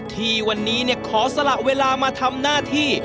ที่วันนี้ขอสละเวลามาทำหน้าที่